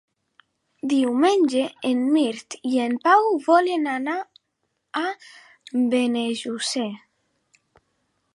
Diumenge en Mirt i en Pau volen anar a Benejússer.